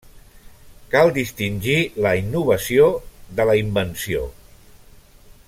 Cal distingir la innovació de la invenció.